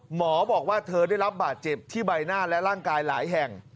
หมอบอกว่าเธอได้รับบาดเจ็บที่ใบหน้าและร่างกายหลายแห่ง